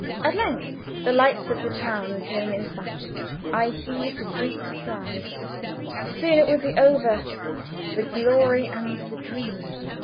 At length the lights of the town came in sight. I heaved a deep sigh. Soon it would be over "the glory and the dream."